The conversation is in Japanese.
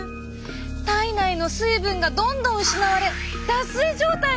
体内の水分がどんどん失われ脱水状態に！